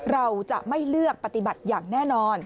เราจะไม่เลือกปฏิบัติอย่างแน่นอน